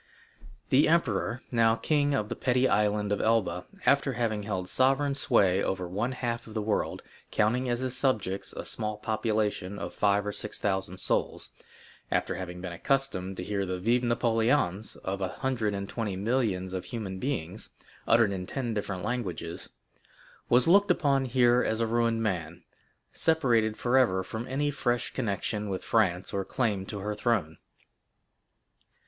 The emperor, now king of the petty Island of Elba, after having held sovereign sway over one half of the world, counting as his subjects a small population of five or six thousand souls,—after having been accustomed to hear the "Vive Napoléons" of a hundred and twenty millions of human beings, uttered in ten different languages,—was looked upon here as a ruined man, separated forever from any fresh connection with France or claim to her throne.